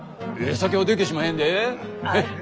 酒はでけしまへんで。